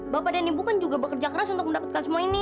bapak dan ibu kan juga bekerja keras untuk mendapatkan semua ini